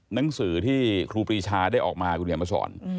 หนังสือที่ครูปรีชาได้ออกมาคุณเขียนมาสอน